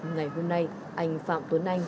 ngày hôm nay anh phạm tuấn anh